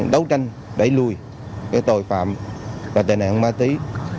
đấu tranh đẩy lùi tội phạm và tệ nạn ma túy